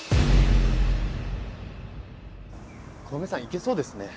小梅さんいけそうですね。